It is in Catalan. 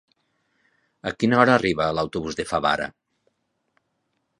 A quina hora arriba l'autobús de Favara?